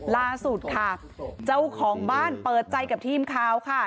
ล่าสุดค่ะเจ้าของบ้านเปิดใจกับทีมข่าวค่ะ